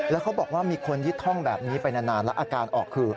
แล้วเขาบอกว่ามีคนยึดท่องแบบนี้ไปนานแล้วอาการออกคือ